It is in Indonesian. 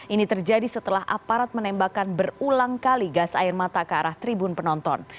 ini terjadi setelah aparat menembakkan berulang kali gas air mata ke arah tribun penonton